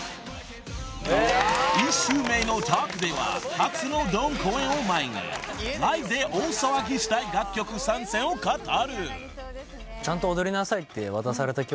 ［１週目のトークでは初のドーム公演を前にライブで大騒ぎしたい楽曲３選を語る］